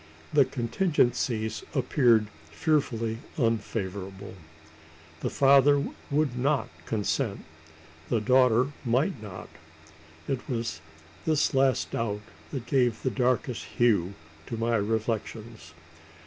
The contingencies appeared fearfully unfavourable: the father would not consent the daughter might not? It was this last doubt that gave the darkest hue to my reflections.